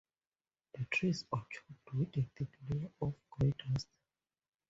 The trees are choked with a thick layer of gray dust.